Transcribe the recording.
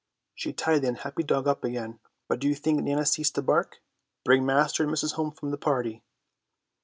She tied the unhappy dog up again, but do you think Nana ceased to bark? Bring master and missus home from the party!